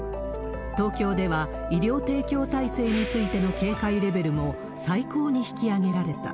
東京では、医療提供体制についての警戒レベルも最高に引き上げられた。